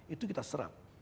itu kita serap